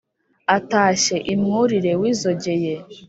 atashye i mwurire w' izogeye